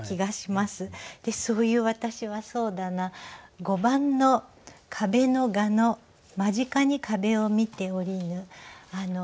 そういう私はそうだな５番の「壁の蛾の間近に壁を見て居りぬ」。